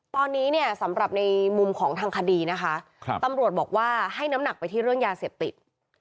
ตอนนี้เนี่ยสำหรับในมุมของทางคดีนะคะตำรวจบอกว่าให้น้ำหนักไปที่เรื่องยาเสพติด